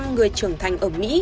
chín mươi người trưởng thành ở mỹ